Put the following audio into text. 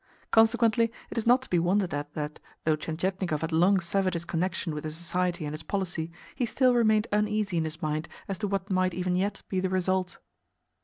Consequently, it is not to be wondered at that, though Tientietnikov had long severed his connection with the society and its policy, he still remained uneasy in his mind as to what might even yet be the result.)